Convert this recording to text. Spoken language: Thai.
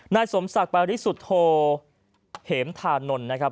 นายสมศักดิ์ปริสุทธโธเหมธานนท์นะครับ